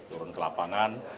turun ke lapangan